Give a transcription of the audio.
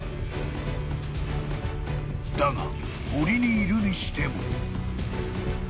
［だが森にいるにしても］